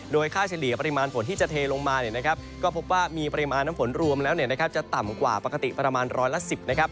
ค่าเฉลี่ยปริมาณฝนที่จะเทลงมาเนี่ยนะครับก็พบว่ามีปริมาณน้ำฝนรวมแล้วเนี่ยนะครับจะต่ำกว่าปกติประมาณร้อยละ๑๐นะครับ